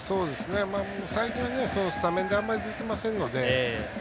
最近は、スタメンであまり、出ていませんので。